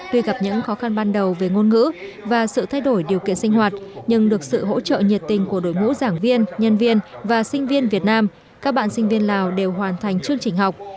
tuy gặp những khó khăn ban đầu về ngôn ngữ và sự thay đổi điều kiện sinh hoạt nhưng được sự hỗ trợ nhiệt tình của đội ngũ giảng viên nhân viên và sinh viên việt nam các bạn sinh viên lào đều hoàn thành chương trình học